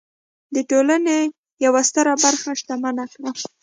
د ټولنې یوه ستره برخه شتمنه کړه.